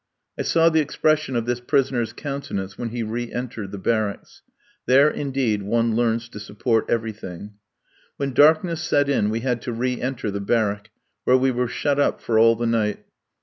I saw the expression of this prisoner's countenance when he re entered the barracks. There, indeed, one learns to support everything. When darkness set in we had to re enter the barrack, where we were shut up for all the night.